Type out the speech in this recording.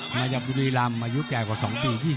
มาจากบุรีรำอายุแก่กว่า๒ปี